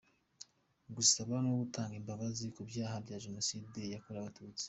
– Gusaba no gutanga imbabazi ku byaha bya Jenoside yakorewe Abatutsi;